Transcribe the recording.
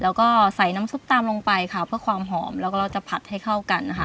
แล้วก็ใส่น้ำซุปตามลงไปค่ะเพื่อความหอมแล้วก็เราจะผัดให้เข้ากันนะคะ